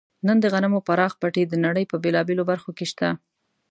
نن د غنمو پراخ پټي د نړۍ په بېلابېلو برخو کې شته.